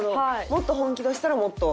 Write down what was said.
もっと本気出したらもっと？